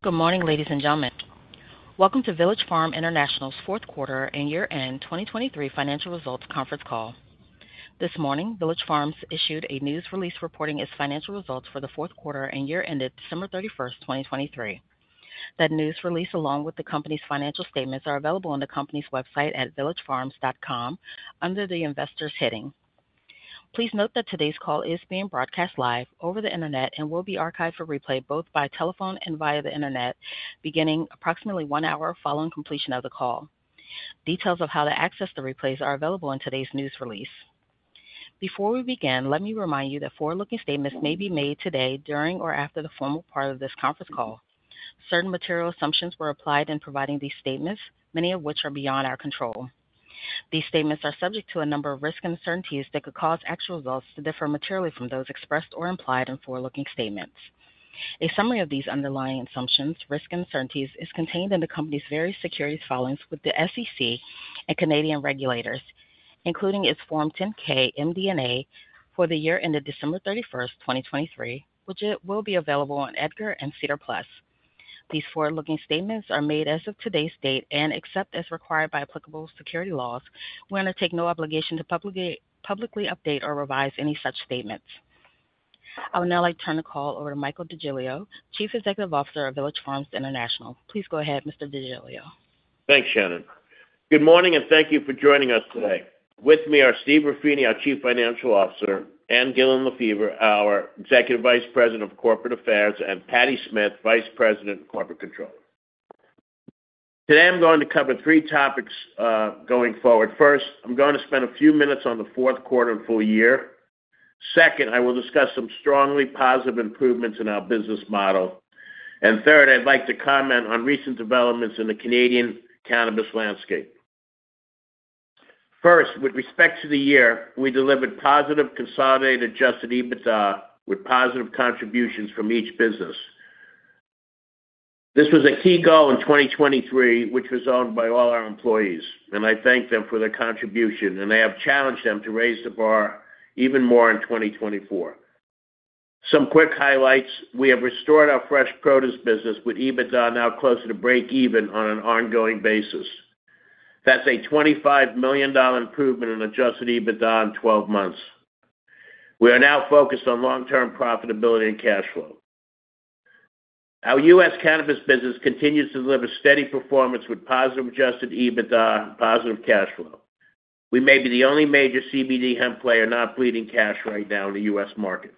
Good morning, ladies and gentlemen. Welcome to Village Farms International's Fourth Quarter and Year-End 2023 Financial Results Conference Call. This morning, Village Farms issued a news release reporting its financial results for the fourth quarter and year-ended December 31st, 2023. That news release, along with the company's financial statements, are available on the company's website at villagefarms.com under the Investors heading. Please note that today's call is being broadcast live over the internet and will be archived for replay both by telephone and via the internet, beginning approximately one hour following completion of the call. Details of how to access the replays are available in today's news release. Before we begin, let me remind you that forward-looking statements may be made today, during, or after the formal part of this conference call. Certain material assumptions were applied in providing these statements, many of which are beyond our control. These statements are subject to a number of risk uncertainties that could cause actual results to differ materially from those expressed or implied in forward-looking statements. A summary of these underlying assumptions, risk uncertainties, is contained in the company's various securities filings with the SEC and Canadian regulators, including its Form 10-K MD&A for the year-ended December 31st, 2023, which will be available on EDGAR and SEDAR+. These forward-looking statements are made as of today's date and except as required by applicable securities laws. We undertake no obligation to publicly update or revise any such statements. I would now like to turn the call over to Michael DeGiglio, Chief Executive Officer of Village Farms International. Please go ahead, Mr. DeGiglio. Thanks, Shannon. Good morning, and thank you for joining us today. With me are Steve Ruffini, our Chief Financial Officer; Ann Gillin Lefever, our Executive Vice President of Corporate Affairs; and Patty Smith, Vice President of Corporate Control. Today I'm going to cover three topics going forward. First, I'm going to spend a few minutes on the fourth quarter and full year. Second, I will discuss some strongly positive improvements in our business model. And third, I'd like to comment on recent developments in the Canadian cannabis landscape. First, with respect to the year, we delivered positive consolidated adjusted EBITDA with positive contributions from each business. This was a key goal in 2023, which was owned by all our employees, and I thank them for their contribution, and I have challenged them to raise the bar even more in 2024. Some quick highlights, we have restored our fresh produce business with adjusted EBITDA now closer to break-even on an ongoing basis. That's a 25 million dollar improvement in adjusted EBITDA in 12 months. We are now focused on long-term profitability and cash flow. Our U.S. cannabis business continues to deliver steady performance with positive adjusted EBITDA and positive cash flow. We may be the only major CBD hemp player not bleeding cash right now in the U.S. market.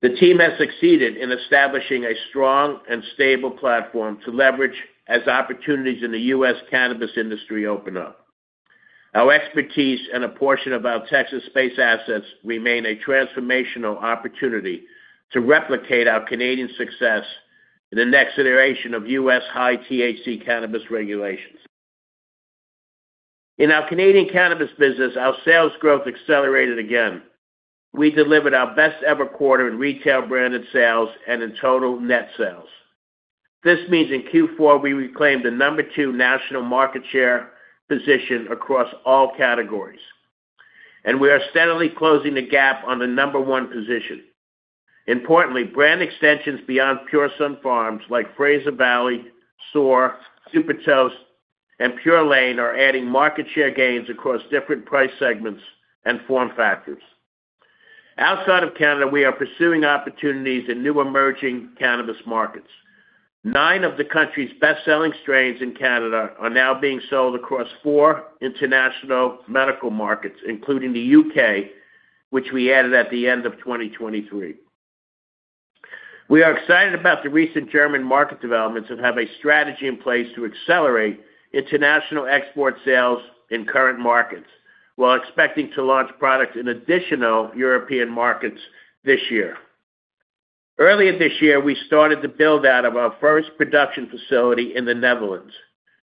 The team has succeeded in establishing a strong and stable platform to leverage as opportunities in the U.S. cannabis industry open up. Our expertise and a portion of our Texas-based assets remain a transformational opportunity to replicate our Canadian success in the next iteration of U.S. high THC cannabis regulations. In our Canadian cannabis business, our sales growth accelerated again. We delivered our best-ever quarter in retail branded sales and in total net sales. This means in Q4 we reclaimed the number two national market share position across all categories, and we are steadily closing the gap on the number one position. Importantly, brand extensions beyond Pure Sunfarms like Fraser Valley, Soar, SuperToast, and Pure Laine are adding market share gains across different price segments and form factors. Outside of Canada, we are pursuing opportunities in new emerging cannabis markets. Nine of the country's best-selling strains in Canada are now being sold across four international medical markets, including the U.K., which we added at the end of 2023. We are excited about the recent German market developments and have a strategy in place to accelerate international export sales in current markets while expecting to launch products in additional European markets this year. Earlier this year, we started to build out of our first production facility in the Netherlands.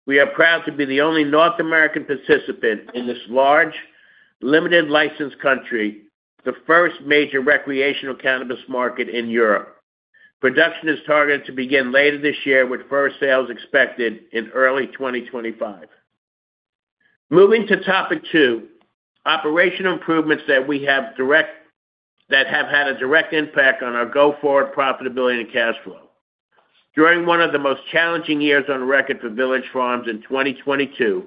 We are proud to be the only North American participant in this large, limited-license country, the first major recreational cannabis market in Europe. Production is targeted to begin later this year, with first sales expected in early 2025. Moving to topic two, operational improvements that have had a direct impact on our go-forward profitability and cash flow. During one of the most challenging years on record for Village Farms in 2022,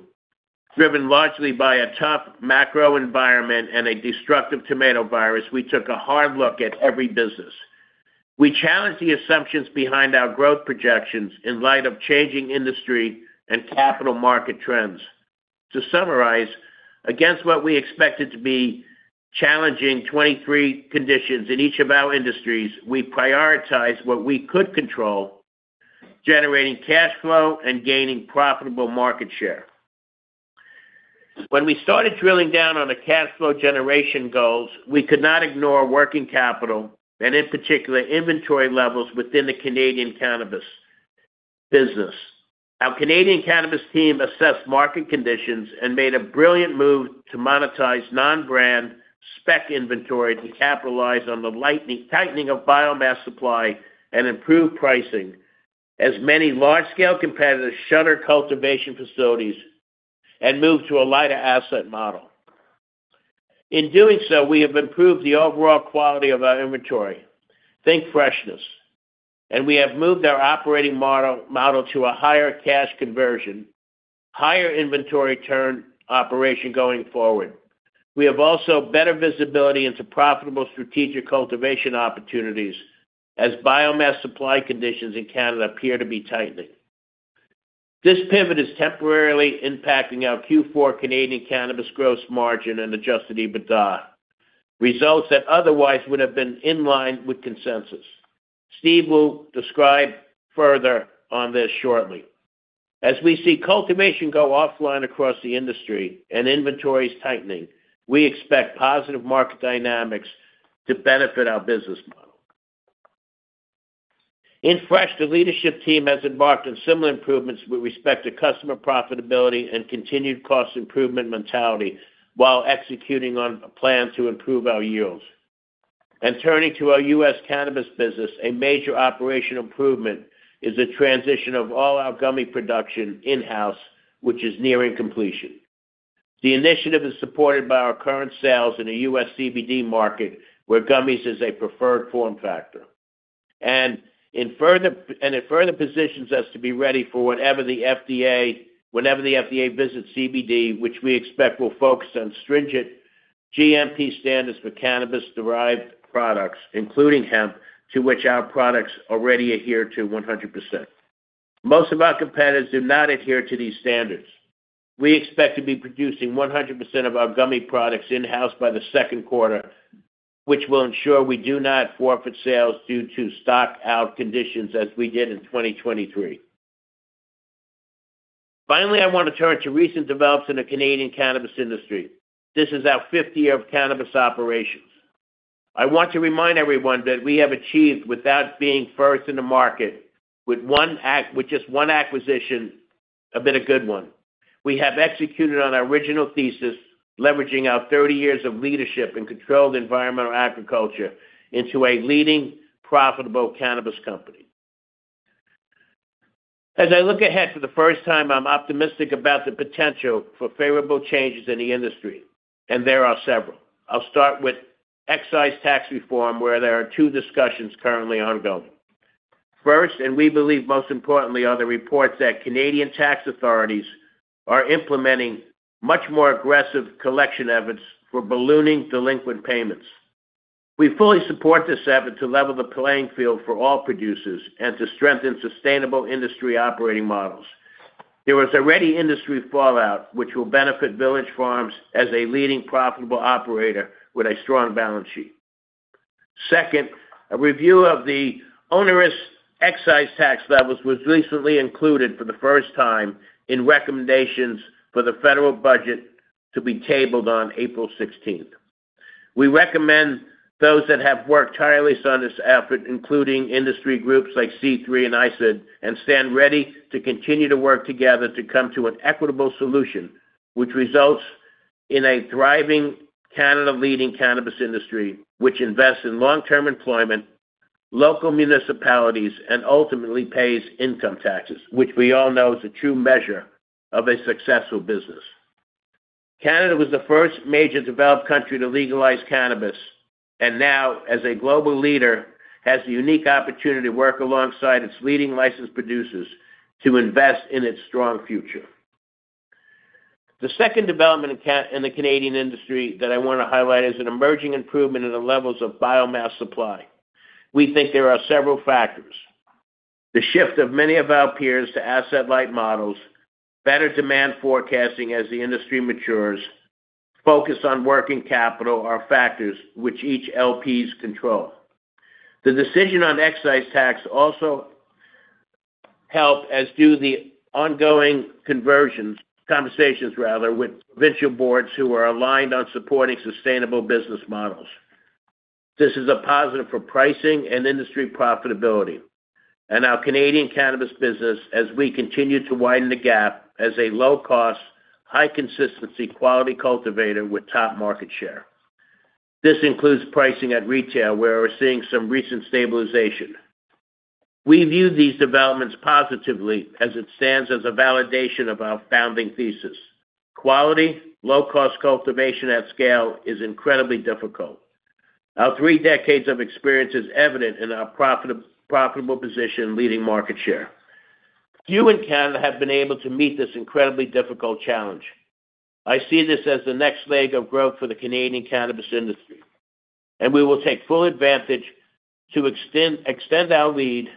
driven largely by a tough macro environment and a destructive tomato virus, we took a hard look at every business. We challenged the assumptions behind our growth projections in light of changing industry and capital market trends. To summarize, against what we expected to be challenging 2023 conditions in each of our industries, we prioritized what we could control, generating cash flow and gaining profitable market share. When we started drilling down on the cash flow generation goals, we could not ignore working capital and, in particular, inventory levels within the Canadian cannabis business. Our Canadian cannabis team assessed market conditions and made a brilliant move to monetize non-brand spec inventory to capitalize on the tightening of biomass supply and improved pricing as many large-scale competitors shutter cultivation facilities and move to a lighter asset model. In doing so, we have improved the overall quality of our inventory, think freshness, and we have moved our operating model to a higher cash conversion, higher inventory turn operation going forward. We have also better visibility into profitable strategic cultivation opportunities as biomass supply conditions in Canada appear to be tightening. This pivot is temporarily impacting our Q4 Canadian cannabis growth margin and adjusted EBITDA, results that otherwise would have been in line with consensus. Steve will describe further on this shortly. As we see cultivation go offline across the industry and inventories tightening, we expect positive market dynamics to benefit our business model. In fresh, the leadership team has embarked on similar improvements with respect to customer profitability and continued cost improvement mentality while executing on a plan to improve our yields. Turning to our U.S. cannabis business, a major operational improvement is the transition of all our gummy production in-house, which is nearing completion. The initiative is supported by our current sales in a U.S. CBD market where gummies is a preferred form factor, and it further positions us to be ready for whenever the FDA visits CBD, which we expect will focus on stringent GMP standards for cannabis-derived products, including hemp, to which our products already adhere to 100%. Most of our competitors do not adhere to these standards. We expect to be producing 100% of our gummy products in-house by the second quarter, which will ensure we do not forfeit sales due to stock-out conditions as we did in 2023. Finally, I want to turn to recent developments in the Canadian cannabis industry. This is our 50th year of cannabis operations. I want to remind everyone that we have achieved, without being first in the market with just one acquisition, a bit of good one. We have executed on our original thesis, leveraging our 30 years of leadership in controlled environmental agriculture, into a leading, profitable cannabis company. As I look ahead for the first time, I'm optimistic about the potential for favorable changes in the industry, and there are several. I'll start with excise tax reform, where there are two discussions currently ongoing. First, and we believe most importantly, are the reports that Canadian tax authorities are implementing much more aggressive collection efforts for ballooning delinquent payments. We fully support this effort to level the playing field for all producers and to strengthen sustainable industry operating models. There was already industry fallout, which will benefit Village Farms as a leading, profitable operator with a strong balance sheet. Second, a review of the onerous excise tax levels was recently included for the first time in recommendations for the federal budget to be tabled on April 16th. We recommend those that have worked tirelessly on this effort, including industry groups like C3 and AQIC, and stand ready to continue to work together to come to an equitable solution, which results in a thriving, Canada-leading cannabis industry which invests in long-term employment, local municipalities, and ultimately pays income taxes, which we all know is the true measure of a successful business. Canada was the first major developed country to legalize cannabis and now, as a global leader, has the unique opportunity to work alongside its leading licensed producers to invest in its strong future. The second development in the Canadian industry that I want to highlight is an emerging improvement in the levels of biomass supply. We think there are several factors. The shift of many of our peers to asset-light models, better demand forecasting as the industry matures, focus on working capital are factors which each LPs control. The decision on excise tax also helps, as do the ongoing conversations with provincial boards who are aligned on supporting sustainable business models. This is a positive for pricing and industry profitability and our Canadian cannabis business as we continue to widen the gap as a low-cost, high-consistency quality cultivator with top market share. This includes pricing at retail, where we're seeing some recent stabilization. We view these developments positively as it stands as a validation of our founding thesis. Quality, low-cost cultivation at scale is incredibly difficult. Our three decades of experience is evident in our profitable position leading market share. Few in Canada have been able to meet this incredibly difficult challenge. I see this as the next leg of growth for the Canadian cannabis industry, and we will take full advantage to extend our lead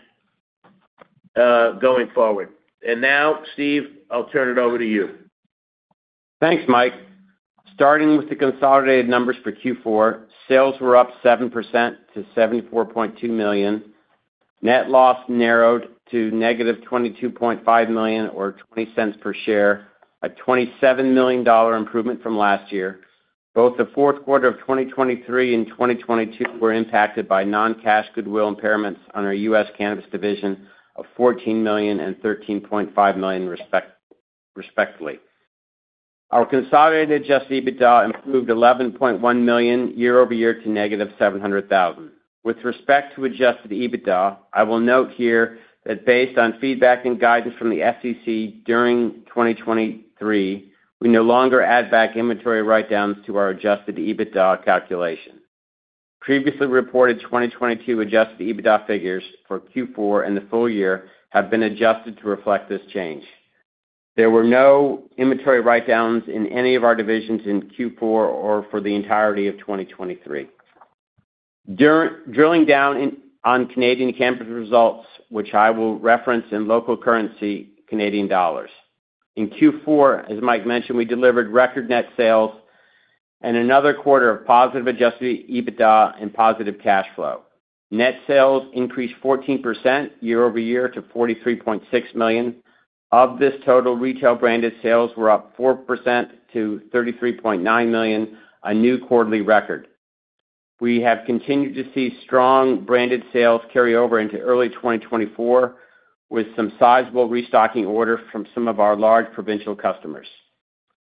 going forward. Now, Steve, I'll turn it over to you. Thanks, Mike. Starting with the consolidated numbers for Q4, sales were up 7% to 74.2 million. Net loss narrowed to -22.5 million or 0.20 per share, a 27 million dollar improvement from last year. Both the fourth quarter of 2023 and 2022 were impacted by non-cash goodwill impairments under U.S. cannabis division of 14 million and 13.5 million respectively. Our consolidated adjusted EBITDA improved 11.1 million year-over-year to -700,000. With respect to adjusted EBITDA, I will note here that based on feedback and guidance from the SEC during 2023, we no longer add back inventory write-downs to our adjusted EBITDA calculation. Previously reported 2022 adjusted EBITDA figures for Q4 and the full year have been adjusted to reflect this change. There were no inventory write-downs in any of our divisions in Q4 or for the entirety of 2023. Drilling down on Canadian cannabis results, which I will reference in local currency, Canadian dollars. In Q4, as Mike mentioned, we delivered record net sales and another quarter of positive adjusted EBITDA and positive cash flow. Net sales increased 14% year-over-year to 43.6 million. Of this total, retail branded sales were up 4% to 33.9 million, a new quarterly record. We have continued to see strong branded sales carry over into early 2024 with some sizable restocking orders from some of our large provincial customers.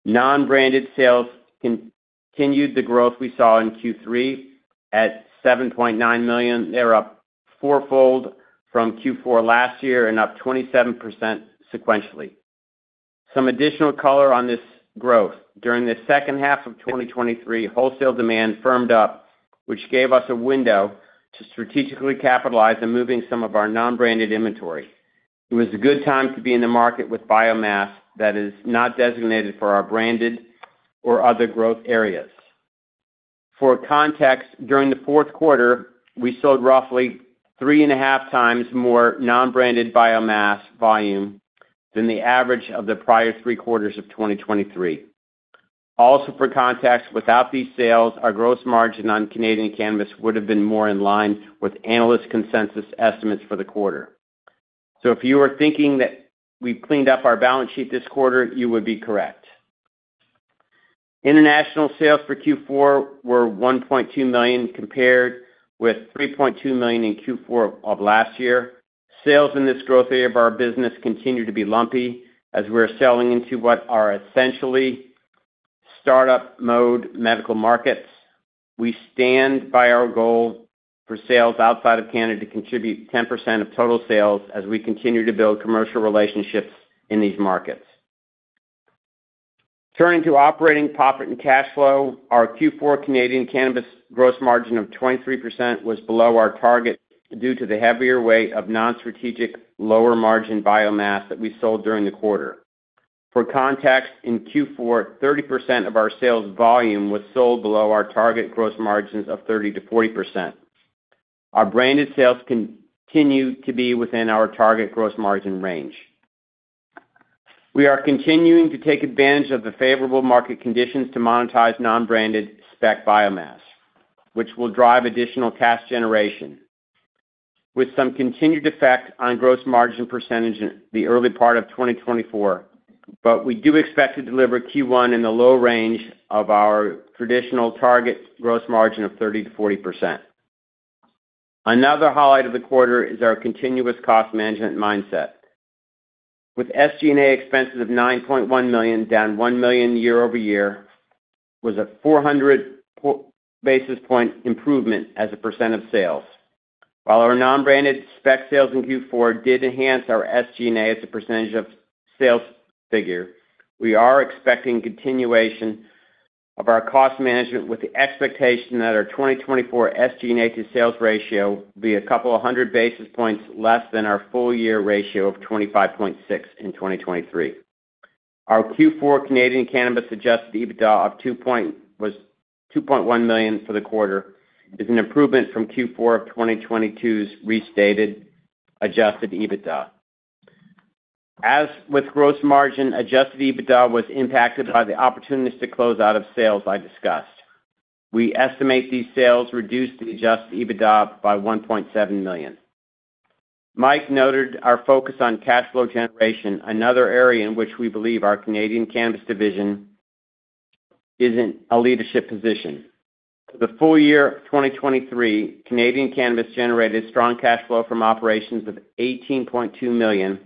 Non-branded sales continued the growth we saw in Q3 at 7.9 million. They're up fourfold from Q4 last year and up 27% sequentially. Some additional color on this growth, during the second half of 2023, wholesale demand firmed up, which gave us a window to strategically capitalize on moving some of our non-branded inventory. It was a good time to be in the market with biomass that is not designated for our branded or other growth areas. For context, during the fourth quarter, we sold roughly 3.5x more non-branded biomass volume than the average of the prior three quarters of 2023. Also, for context, without these sales, our gross margin on Canadian cannabis would have been more in line with analyst consensus estimates for the quarter. So if you were thinking that we cleaned up our balance sheet this quarter, you would be correct. International sales for Q4 were 1.2 million compared with 3.2 million in Q4 of last year. Sales in this growth area of our business continue to be lumpy as we're selling into what are essentially startup-mode medical markets. We stand by our goal for sales outside of Canada to contribute 10% of total sales as we continue to build commercial relationships in these markets. Turning to operating profit and cash flow, our Q4 Canadian cannabis gross margin of 23% was below our target due to the heavier weight of non-strategic lower-margin biomass that we sold during the quarter. For context, in Q4, 30% of our sales volume was sold below our target gross margins of 30%-40%. Our branded sales continue to be within our target gross margin range. We are continuing to take advantage of the favorable market conditions to monetize non-branded spec biomass, which will drive additional cash generation, with some continued effect on gross margin percentage in the early part of 2024, but we do expect to deliver Q1 in the low range of our traditional target gross margin of 30%-40%. Another highlight of the quarter is our continuous cost management mindset. With SG&A expenses of 9.1 million down 1 million year-over-year, it was a 400 basis point improvement as a percent of sales. While our non-branded spec sales in Q4 did enhance our SG&A as a percentage of sales figure, we are expecting continuation of our cost management with the expectation that our 2024 SG&A to sales ratio will be a couple of hundred basis points less than our full-year ratio of 25.6% in 2023. Our Q4 Canadian cannabis adjusted EBITDA of 2.1 million for the quarter is an improvement from Q4 of 2022's restated adjusted EBITDA. As with gross margin, adjusted EBITDA was impacted by the opportunities to close out of sales I discussed. We estimate these sales reduced the adjusted EBITDA by 1.7 million. Mike noted our focus on cash flow generation, another area in which we believe our Canadian cannabis division is in a leadership position. For the full year of 2023, Canadian cannabis generated strong cash flow from operations of 18.2 million,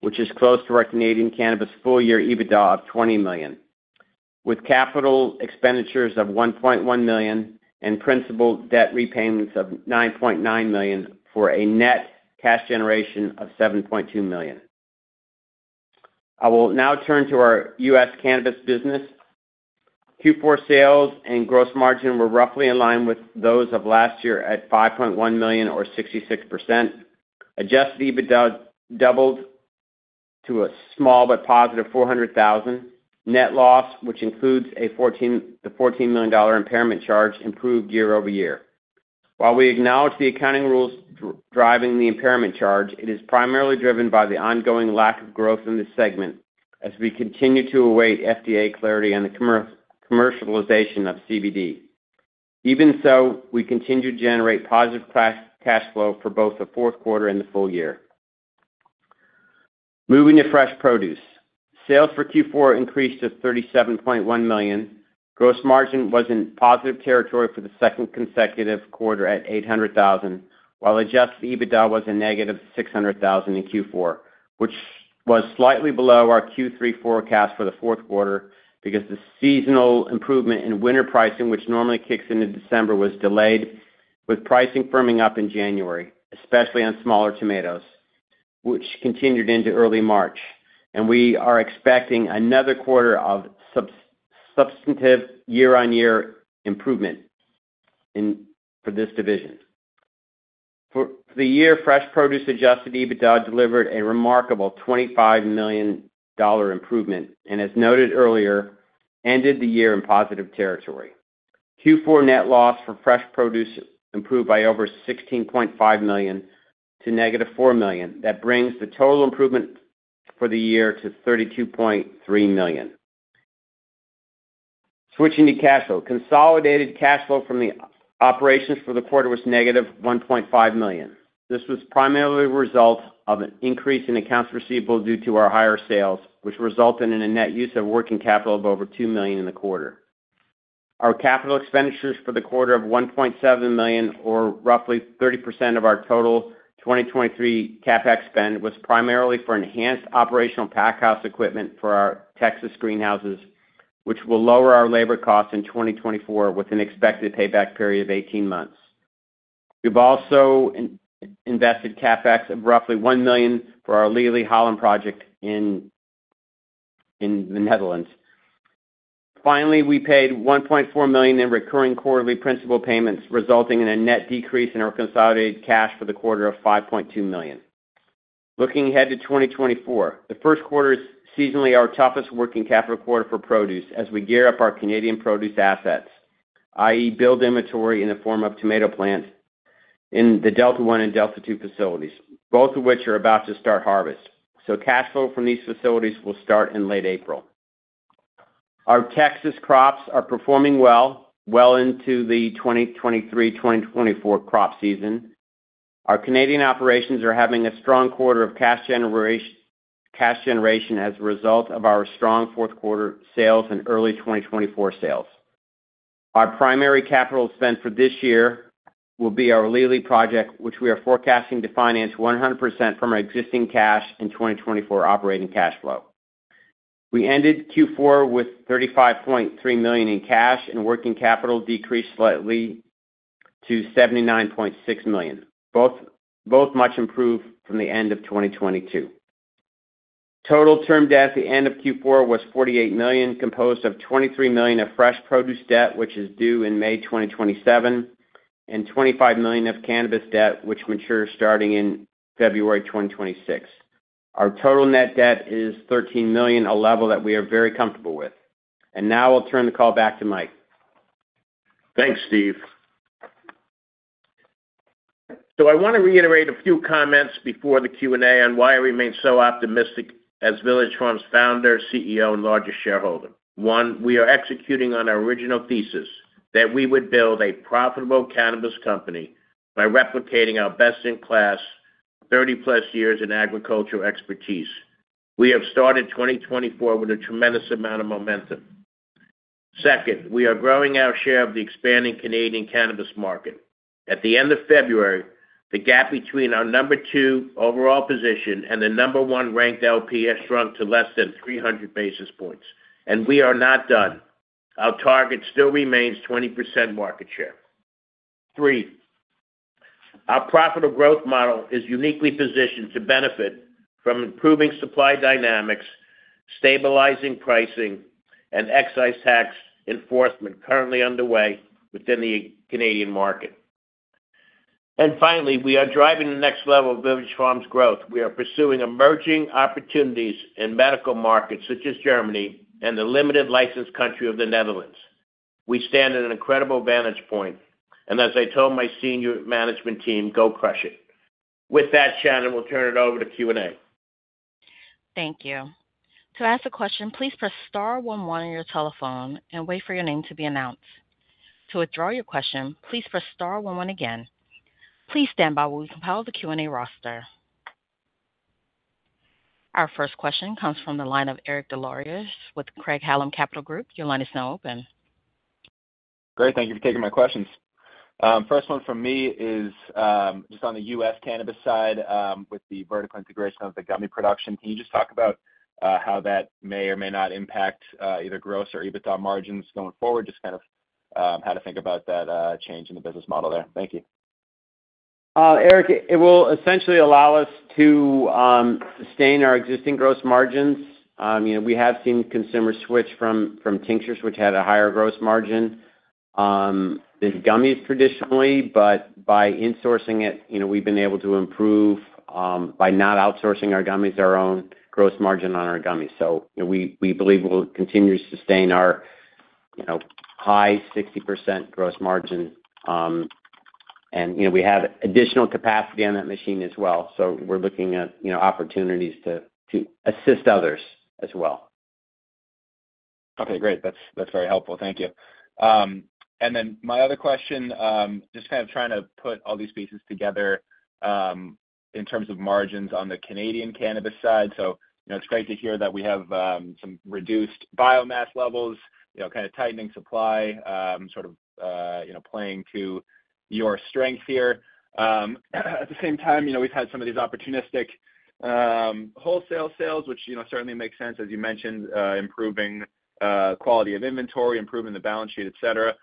which is close to our Canadian cannabis full-year EBITDA of 20 million, with capital expenditures of 1.1 million and principal debt repayments of 9.9 million for a net cash generation of 7.2 million. I will now turn to our US cannabis business. Q4 sales and gross margin were roughly in line with those of last year at 5.1 million or 66%. Adjusted EBITDA doubled to a small but positive 400,000. Net loss, which includes the 14 million dollar impairment charge, improved year-over-year. While we acknowledge the accounting rules driving the impairment charge, it is primarily driven by the ongoing lack of growth in this segment as we continue to await FDA clarity on the commercialization of CBD. Even so, we continue to generate positive cash flow for both the fourth quarter and the full year. Moving to fresh produce, sales for Q4 increased to 37.1 million. Gross margin was in positive territory for the second consecutive quarter at 800,000, while adjusted EBITDA was a negative 600,000 in Q4, which was slightly below our Q3 forecast for the fourth quarter because the seasonal improvement in winter pricing, which normally kicks into December, was delayed, with pricing firming up in January, especially on smaller tomatoes, which continued into early March. We are expecting another quarter of substantive year-on-year improvement for this division. For the year, fresh produce adjusted EBITDA delivered a remarkable 25 million dollar improvement and, as noted earlier, ended the year in positive territory. Q4 net loss for fresh produce improved by over 16.5 million to -4 million. That brings the total improvement for the year to 32.3 million. Switching to cash flow, consolidated cash flow from the operations for the quarter was -1.5 million. This was primarily a result of an increase in accounts receivable due to our higher sales, which resulted in a net use of working capital of over 2 million in the quarter. Our capital expenditures for the quarter of 1.7 million or roughly 30% of our total 2023 CapEx spend was primarily for enhanced operational packhouse equipment for our Texas greenhouses, which will lower our labor costs in 2024 with an expected payback period of 18 months. We've also invested CapEx of roughly 1 million for our Leli Holland project in the Netherlands. Finally, we paid 1.4 million in recurring quarterly principal payments, resulting in a net decrease in our consolidated cash for the quarter of 5.2 million. Looking ahead to 2024, the first quarter is seasonally our toughest working capital quarter for produce as we gear up our Canadian produce assets, i.e., build inventory in the form of tomato plants in the Delta 1 and Delta 2 facilities, both of which are about to start harvest. Cash flow from these facilities will start in late April. Our Texas crops are performing well into the 2023-2024 crop season. Our Canadian operations are having a strong quarter of cash generation as a result of our strong fourth quarter sales and early 2024 sales. Our primary capital spend for this year will be our Leli project, which we are forecasting to finance 100% from our existing cash and 2024 operating cash flow. We ended Q4 with 35.3 million in cash, and working capital decreased slightly to 79.6 million, both much improved from the end of 2022. Total term debt at the end of Q4 was 48 million, composed of 23 million of fresh produce debt, which is due in May 2027, and 25 million of cannabis debt, which matures starting in February 2026. Our total net debt is 13 million, a level that we are very comfortable with. Now I'll turn the call back to Mike. Thanks, Steve. So I want to reiterate a few comments before the Q&A on why I remain so optimistic as Village Farms founder, CEO, and largest shareholder. One, we are executing on our original thesis that we would build a profitable cannabis company by replicating our best-in-class, 30+ years in agricultural expertise. We have started 2024 with a tremendous amount of momentum. Second, we are growing our share of the expanding Canadian cannabis market. At the end of February, the gap between our number two overall position and the number one ranked LP has shrunk to less than 300 basis points, and we are not done. Our target still remains 20% market share. Three, our profitable growth model is uniquely positioned to benefit from improving supply dynamics, stabilizing pricing, and excise tax enforcement currently underway within the Canadian market. Finally, we are driving the next level of Village Farms growth. We are pursuing emerging opportunities in medical markets such as Germany and the limited licensed country of the Netherlands. We stand at an incredible vantage point, and as I told my senior management team, go crush it. With that, Shannon, we'll turn it over to Q&A. Thank you. To ask a question, please press star one one on your telephone and wait for your name to be announced. To withdraw your question, please press star one one again. Please stand by while we compile the Q&A roster. Our first question comes from the line of Eric Des Lauriers with Craig-Hallum Capital Group. Your line is now open. Great. Thank you for taking my questions. First one from me is just on the U.S. cannabis side with the vertical integration of the gummy production. Can you just talk about how that may or may not impact either gross or EBITDA margins going forward, just kind of how to think about that change in the business model there? Thank you. Eric, it will essentially allow us to sustain our existing gross margins. We have seen consumers switch from tinctures, which had a higher gross margin, to gummies traditionally, but by insourcing it, we've been able to improve, by not outsourcing our gummies, our own gross margin on our gummies. We believe we'll continue to sustain our high 60% gross margin, and we have additional capacity on that machine as well. We're looking at opportunities to assist others as well. Okay. Great. That's very helpful. Thank you. And then my other question, just kind of trying to put all these pieces together in terms of margins on the Canadian cannabis side. So it's great to hear that we have some reduced biomass levels, kind of tightening supply, sort of playing to your strength here. At the same time, we've had some of these opportunistic wholesale sales, which certainly makes sense, as you mentioned, improving quality of inventory, improving the balance sheet, etc.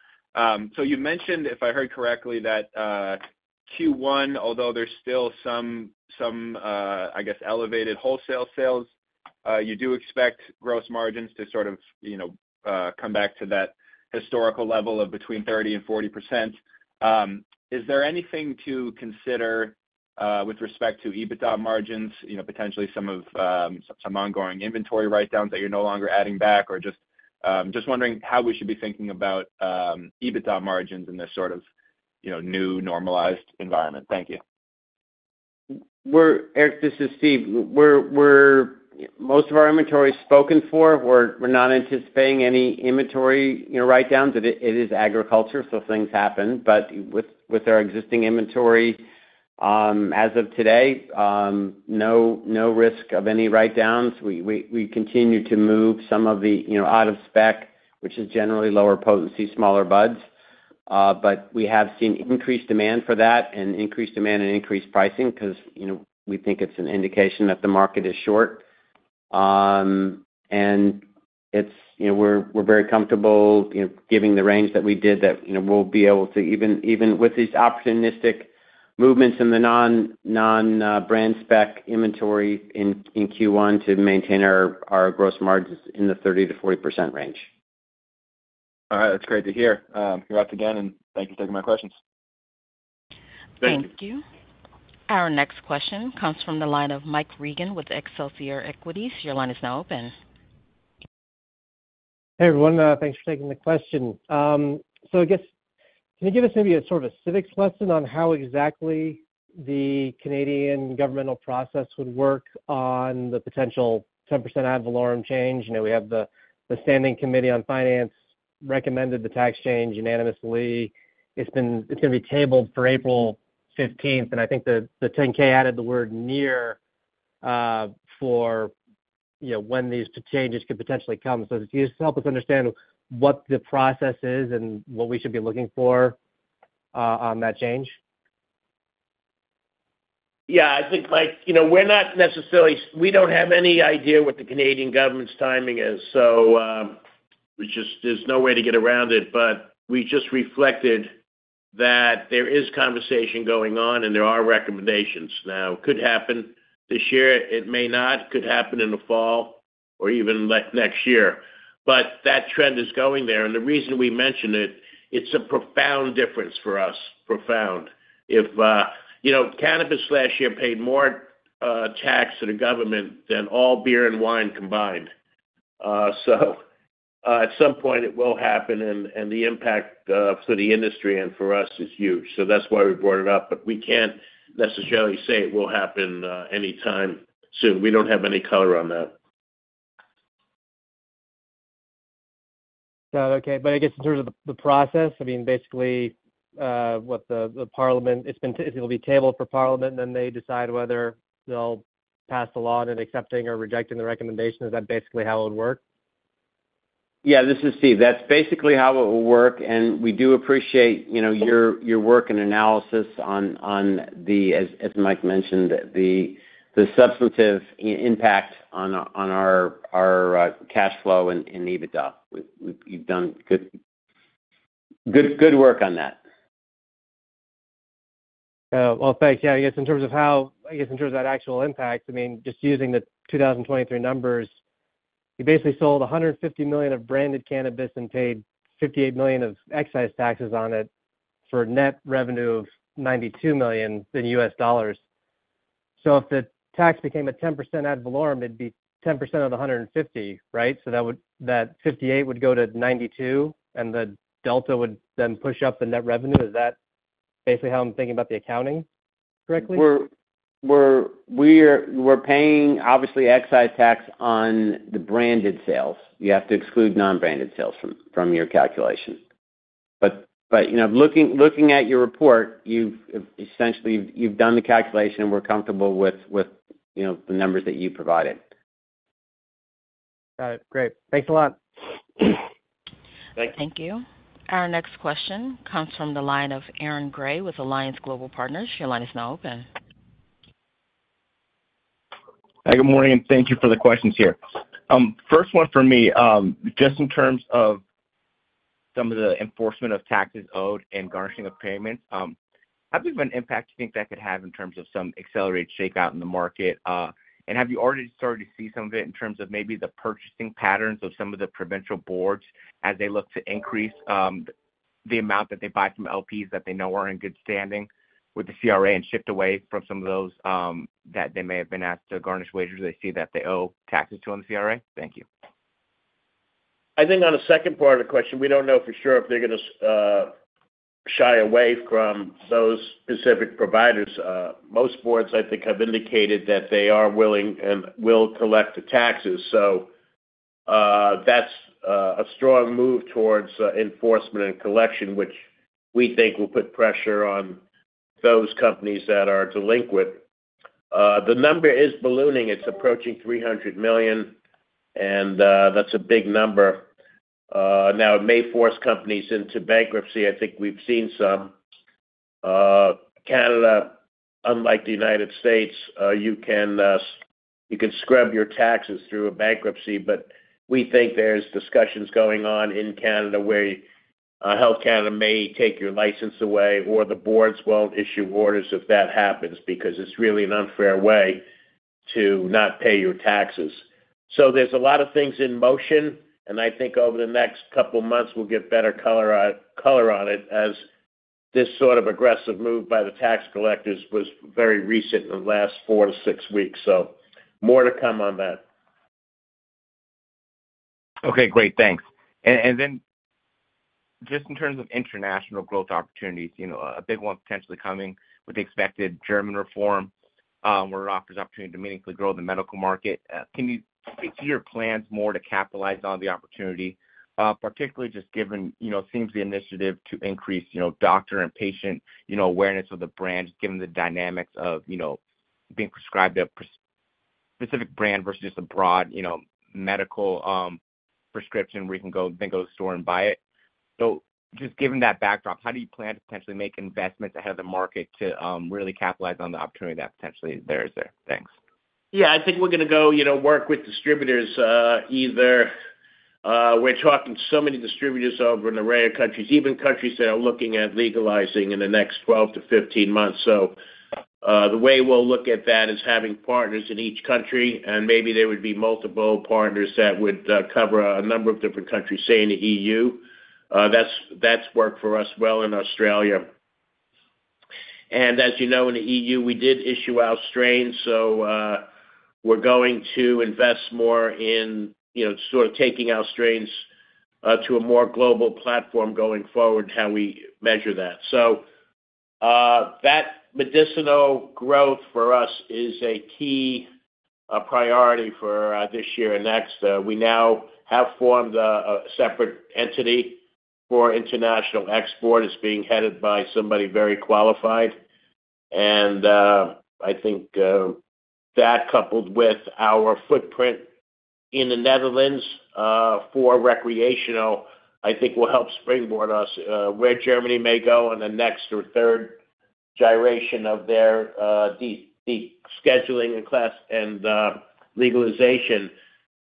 So you mentioned, if I heard correctly, that Q1, although there's still some, I guess, elevated wholesale sales, you do expect gross margins to sort of come back to that historical level of between 30% and 40%. Is there anything to consider with respect to EBITDA margins, potentially some ongoing inventory write-downs that you're no longer adding back, or just wondering how we should be thinking about EBITDA margins in this sort of new normalized environment? Thank you. Eric, this is Steve. Most of our inventory is spoken for. We're not anticipating any inventory write-downs. It is agriculture, so things happen. But with our existing inventory as of today, no risk of any write-downs. We continue to move some of the out-of-spec, which is generally lower potency, smaller buds. But we have seen increased demand for that and increased demand and increased pricing because we think it's an indication that the market is short. And we're very comfortable giving the range that we did that we'll be able to, even with these opportunistic movements in the non-brand spec inventory in Q1, to maintain our gross margins in the 30%-40% range. All right. That's great to hear. You're out again, and thank you for taking my questions. Thank you. Thank you. Our next question comes from the line of Mike Regan with Excelsior Equities. Your line is now open. Hey, everyone. Thanks for taking the question. So I guess can you give us maybe sort of a civics lesson on how exactly the Canadian governmental process would work on the potential 10% ad valorem change? We have the Standing Committee on Finance recommended the tax change unanimously. It's going to be tabled for April 15th, and I think the 10-K added the word "near" for when these changes could potentially come. So if you could just help us understand what the process is and what we should be looking for on that change. Yeah. I think, Mike, we don't have any idea what the Canadian government's timing is, so there's no way to get around it. But we just reflected that there is conversation going on, and there are recommendations. Now, it could happen this year. It may not. It could happen in the fall or even next year. But that trend is going there. And the reason we mention it, it's a profound difference for us, profound. Cannabis last year paid more tax to the government than all beer and wine combined. So at some point, it will happen, and the impact for the industry and for us is huge. So that's why we brought it up. But we can't necessarily say it will happen anytime soon. We don't have any color on that. Got it. Okay. But I guess in terms of the process, I mean, basically what the Parliament it'll be tabled for Parliament, and then they decide whether they'll pass the law on it, accepting or rejecting the recommendations. Is that basically how it would work? Yeah. This is Steve. That's basically how it will work. And we do appreciate your work and analysis on the, as Mike mentioned, the substantive impact on our cash flow and EBITDA. You've done good work on that. Well, thanks. Yeah. I guess in terms of that actual impact, I mean, just using the 2023 numbers, you basically sold 150 million of branded cannabis and paid 58 million of excise taxes on it for net revenue of 92 million in U.S. dollars. So if the tax became a 10% ad valorem, it'd be 10% of the 150 million, right? So that 58 million would go to 92 million, and the Delta would then push up the net revenue. Is that basically how I'm thinking about the accounting, correctly? We're paying, obviously, excise tax on the branded sales. You have to exclude non-branded sales from your calculation. But looking at your report, essentially, you've done the calculation, and we're comfortable with the numbers that you provided. Got it. Great. Thanks a lot. Thank you. Thank you. Our next question comes from the line of Aaron Grey with Alliance Global Partners. Your line is now open. Hey, good morning, and thank you for the questions here. First one for me, just in terms of some of the enforcement of taxes owed and garnishing of payments, how big of an impact do you think that could have in terms of some accelerated shakeout in the market? And have you already started to see some of it in terms of maybe the purchasing patterns of some of the provincial boards as they look to increase the amount that they buy from LPs that they know are in good standing with the CRA and shift away from some of those that they may have been asked to garnish wages or they see that they owe taxes to on the CRA? Thank you. I think on the second part of the question, we don't know for sure if they're going to shy away from those specific providers. Most boards, I think, have indicated that they are willing and will collect the taxes. So that's a strong move towards enforcement and collection, which we think will put pressure on those companies that are delinquent. The number is ballooning. It's approaching 300 million, and that's a big number. Now, it may force companies into bankruptcy. I think we've seen some. Canada, unlike the United States, you can scrub your taxes through a bankruptcy. But we think there's discussions going on in Canada where Health Canada may take your license away, or the boards won't issue orders if that happens because it's really an unfair way to not pay your taxes. So there's a lot of things in motion, and I think over the next couple of months, we'll get better color on it as this sort of aggressive move by the tax collectors was very recent in the last four to six weeks. So more to come on that. Okay. Great. Thanks. And then just in terms of international growth opportunities, a big one potentially coming with the expected German reform where it offers opportunity to meaningfully grow the medical market. Can you speak to your plans more to capitalize on the opportunity, particularly just given it seems the initiative to increase doctor and patient awareness of the brand, just given the dynamics of being prescribed a specific brand versus just a broad medical prescription where you can then go to the store and buy it? So just given that backdrop, how do you plan to potentially make investments ahead of the market to really capitalize on the opportunity that potentially there is there? Thanks. Yeah. I think we're going to go work with distributors either. We're talking so many distributors over an array of countries, even countries that are looking at legalizing in the next 12-15 months. So the way we'll look at that is having partners in each country, and maybe there would be multiple partners that would cover a number of different countries, say, in the EU. That's worked for us well in Australia. And as you know, in the EU, we did issue our strains, so we're going to invest more in sort of taking our strains to a more global platform going forward, how we measure that. So that medicinal growth for us is a key priority for this year and next. We now have formed a separate entity for international export. It's being headed by somebody very qualified. And I think that, coupled with our footprint in the Netherlands for recreational, I think will help springboard us where Germany may go in the next or third gyration of their scheduling and legalization,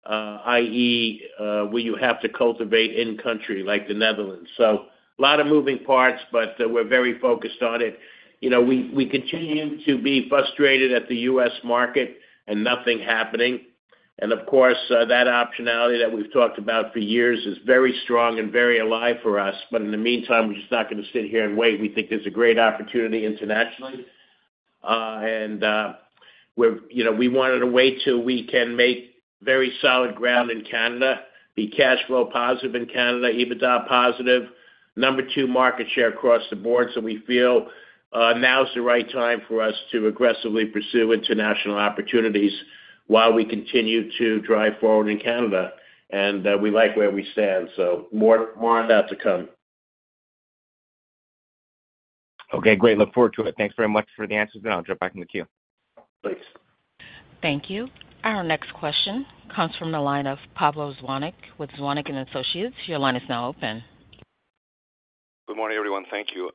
i.e., where you have to cultivate in-country like the Netherlands. So a lot of moving parts, but we're very focused on it. We continue to be frustrated at the U.S. market and nothing happening. And of course, that optionality that we've talked about for years is very strong and very alive for us. But in the meantime, we're just not going to sit here and wait. We think there's a great opportunity internationally. We wanted a way to we can make very solid ground in Canada, be cash flow positive in Canada, EBITDA positive, number two market share across the board. So we feel now's the right time for us to aggressively pursue international opportunities while we continue to drive forward in Canada. And we like where we stand, so more on that to come. Okay. Great. Look forward to it. Thanks very much for the answers, and I'll jump back in the queue. Thanks. Thank you. Our next question comes from the line of Pablo Zuanic with Zuanic & Associates. Your line is now open. Good morning, everyone. Thank you.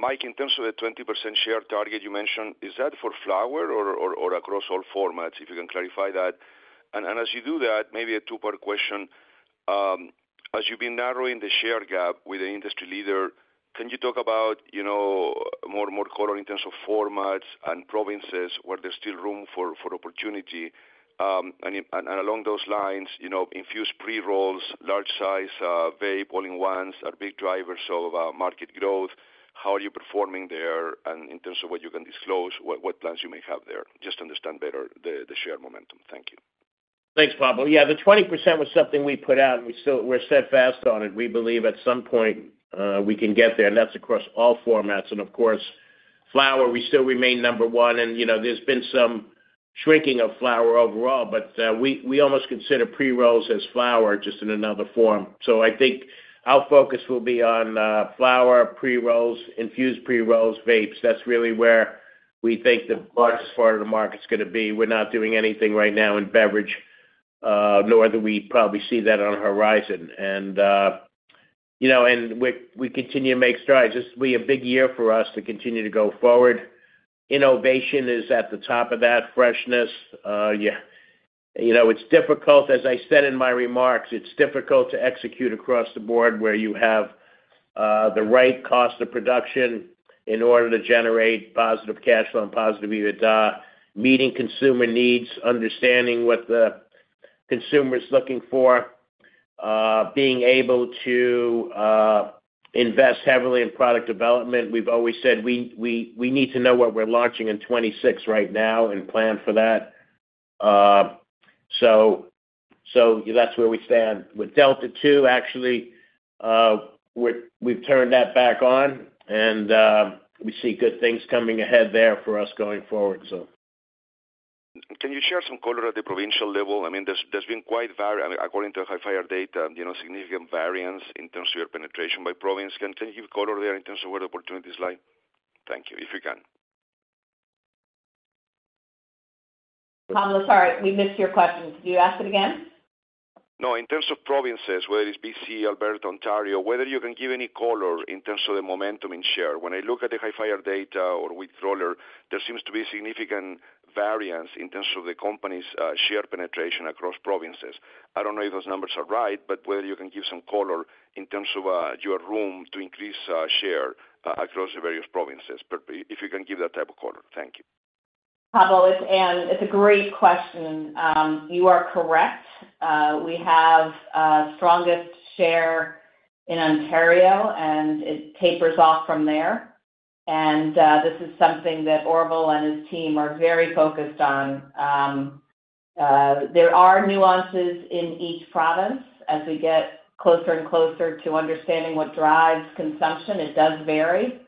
Mike, in terms of the 20% share target you mentioned, is that for flower or across all formats, if you can clarify that? And as you do that, maybe a two-part question. As you've been narrowing the share gap with the industry leader, can you talk about more color in terms of formats and provinces where there's still room for opportunity? And along those lines, infused pre-rolls, large-size vape, all-in-ones are big drivers of market growth. How are you performing there in terms of what you can disclose, what plans you may have there? Just to understand better the share momentum. Thank you. Thanks, Pablo. Yeah. The 20% was something we put out, and we're steadfast on it. We believe at some point, we can get there, and that's across all formats. And of course, flower, we still remain number one. And there's been some shrinking of flower overall, but we almost consider pre-rolls as flower, just in another form. So I think our focus will be on flower, pre-rolls, infused pre-rolls, vapes. That's really where we think the largest part of the market's going to be. We're not doing anything right now in beverage, nor do we probably see that on the horizon. And we continue to make strides. It's going to be a big year for us to continue to go forward. Innovation is at the top of that, freshness. It's difficult. As I said in my remarks, it's difficult to execute across the board where you have the right cost of production in order to generate positive cash flow and positive EBITDA, meeting consumer needs, understanding what the consumer's looking for, being able to invest heavily in product development. We've always said we need to know what we're launching in 2026 right now and plan for that. So that's where we stand. With Delta 2, actually, we've turned that back on, and we see good things coming ahead there for us going forward, so. Can you share some color at the provincial level? I mean, there's been quite according to Hifyre data, significant variance in terms of your penetration by province. Can you give color there in terms of where the opportunities lie? Thank you, if you can. Pablo, sorry. We missed your question. Could you ask it again? No. In terms of provinces, whether it's BC, Alberta, Ontario, whether you can give any color in terms of the momentum in share, when I look at the Hifyre data or withdrawal, there seems to be significant variance in terms of the companies' share penetration across provinces. I don't know if those numbers are right, but whether you can give some color in terms of your room to increase share across the various provinces, if you can give that type of color. Thank you. Pablo, it's a great question. You are correct. We have strongest share in Ontario, and it tapers off from there. This is something that Orville and his team are very focused on. There are nuances in each province. As we get closer and closer to understanding what drives consumption, it does vary.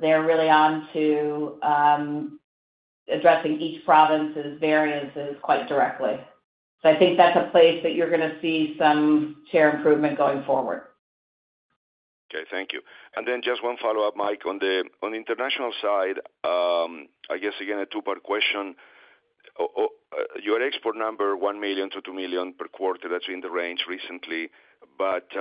They're really on to addressing each province's variances quite directly. I think that's a place that you're going to see some share improvement going forward. Okay. Thank you. And then just one follow-up, Mike. On the international side, I guess, again, a two-part question. Your export number, 1 million-2 million per quarter, that's in the range recently. But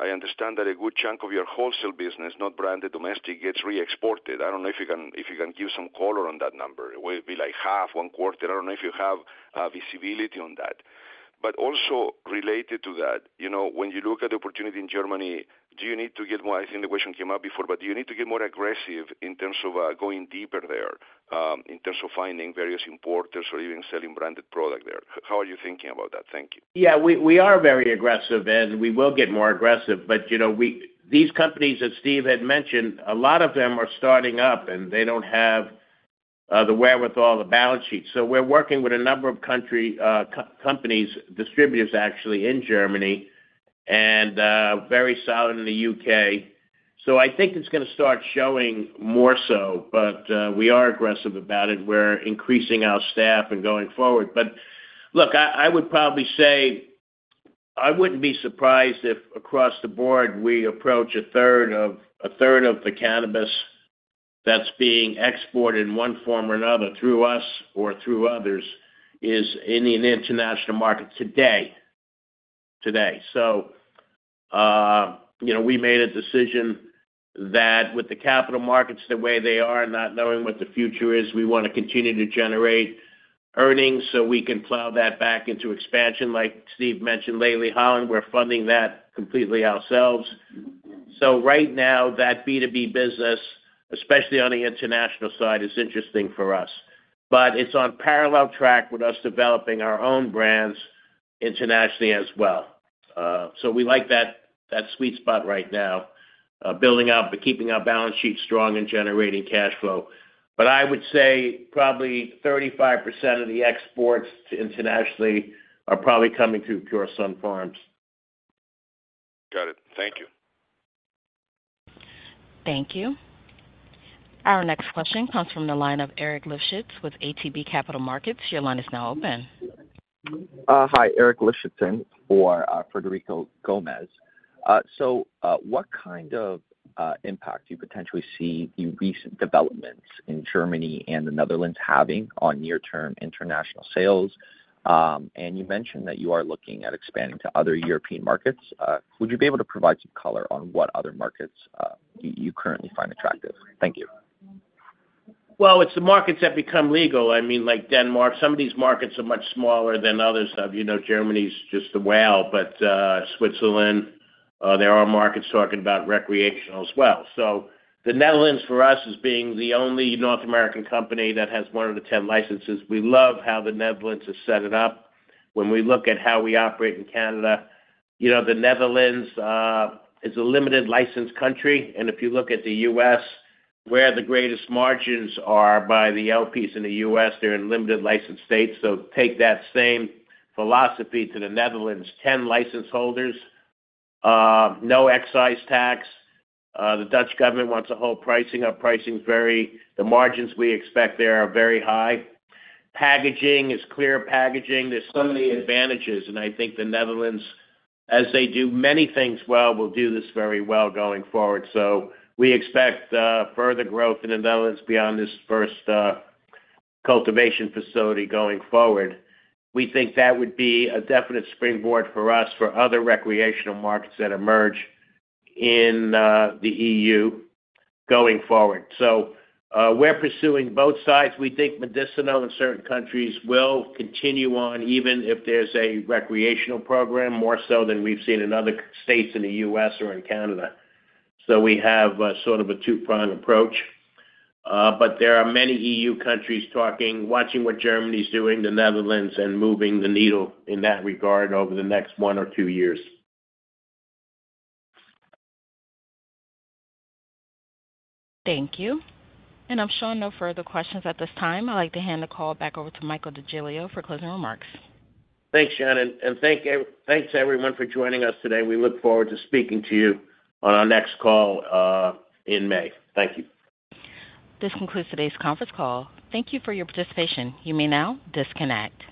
I understand that a good chunk of your wholesale business, not branded, domestic, gets re-exported. I don't know if you can give some color on that number. It would be like half, one quarter. I don't know if you have visibility on that. But also related to that, when you look at the opportunity in Germany, do you need to get more? I think the question came up before, but do you need to get more aggressive in terms of going deeper there in terms of finding various importers or even selling branded product there? How are you thinking about that? Thank you. Yeah. We are very aggressive, and we will get more aggressive. But these companies that Steve had mentioned, a lot of them are starting up, and they don't have the wherewithal, the balance sheet. So we're working with a number of countries, distributors actually in Germany, and very solid in the U.K. So I think it's going to start showing more so, but we are aggressive about it. We're increasing our staff and going forward. But look, I would probably say I wouldn't be surprised if across the board, we approach a third of the cannabis that's being exported in one form or another through us or through others is in the international market today. So we made a decision that with the capital markets the way they are and not knowing what the future is, we want to continue to generate earnings so we can plow that back into expansion. Like Steve mentioned lately, Holland, we're funding that completely ourselves. So right now, that B2B business, especially on the international side, is interesting for us. But it's on parallel track with us developing our own brands internationally as well. So we like that sweet spot right now, building up, keeping our balance sheet strong, and generating cash flow. But I would say probably 35% of the exports internationally are probably coming through Pure Sunfarms. Got it. Thank you. Thank you. Our next question comes from the line of Eric Livshits with ATB Capital Markets. Your line is now open. Hi. Eric Livshits in for Frederico Gomes. So what kind of impact do you potentially see the recent developments in Germany and the Netherlands having on near-term international sales? And you mentioned that you are looking at expanding to other European markets. Would you be able to provide some color on what other markets you currently find attractive? Thank you. Well, it's the markets that become legal. I mean, like Denmark, some of these markets are much smaller than others have. Germany's just the whale, but Switzerland, there are markets talking about recreational as well. So the Netherlands, for us, as being the only North American company that has one of the 10 licenses, we love how the Netherlands has set it up. When we look at how we operate in Canada, the Netherlands is a limited-licensed country. And if you look at the U.S., where the greatest margins are by the LPs in the U.S., they're in limited-licensed states. So take that same philosophy to the Netherlands, 10 license holders, no excise tax. The Dutch government wants to hold pricing up. The margins we expect there are very high. Packaging is clear packaging. There's so many advantages. And I think the Netherlands, as they do many things well, will do this very well going forward. So we expect further growth in the Netherlands beyond this first cultivation facility going forward. We think that would be a definite springboard for us for other recreational markets that emerge in the EU going forward. So we're pursuing both sides. We think medicinal in certain countries will continue on even if there's a recreational program, more so than we've seen in other states in the U.S. or in Canada. So we have sort of a two-pronged approach. But there are many EU countries watching what Germany's doing, the Netherlands, and moving the needle in that regard over the next one or two years. Thank you. I'm showing no further questions at this time. I'd like to hand the call back over to Michael DeGiglio for closing remarks. Thanks, Shannon. Thanks, everyone, for joining us today. We look forward to speaking to you on our next call in May. Thank you. This concludes today's conference call. Thank you for your participation. You may now disconnect.